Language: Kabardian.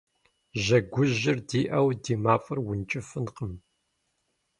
Жьэгужьыр диӏэу ди мафӏэр ункӏыфӏынкъым.